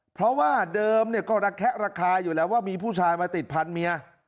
เพราะว่าเดิมก็ระแคะระคายอยู่แล้วว่ามีผู้ชายมาติดพันธุ์เมีย